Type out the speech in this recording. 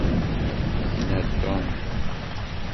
Yekna Tom.